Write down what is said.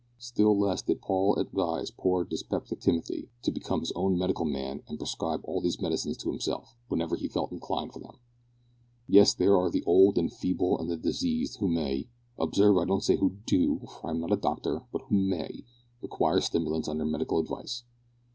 Still less did Paul advise poor dyspeptic Timothy to become his own medical man and prescribe all these medicines to himself, whenever he felt inclined for them. Yes, there are the old and the feeble and the diseased, who may, (observe I don't say who do, for I am not a doctor, but who may), require stimulants under medical advice.